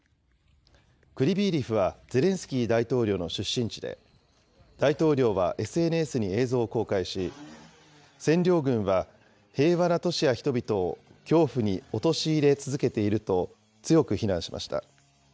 クリビーリフはゼレンスキー大統領の出身地で、大統領はＳＮＳに映像を公開し、占領軍は平和な都市や人々を恐怖に陥れ続けていると強く非難しました。